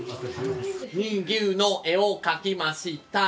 乳牛の絵を描きました。